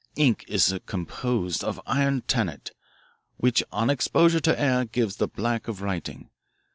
Ink is composed of iron tannate, which on exposure to air gives the black of writing.